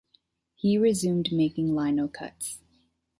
He resumed making lino-cuts.